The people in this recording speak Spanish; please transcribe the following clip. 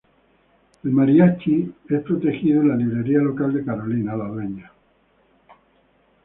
El Mariachi es protegido en la librería local de Carolina, la dueña.